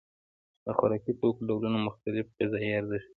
د خوراکي توکو ډولونه مختلف غذایي ارزښت لري.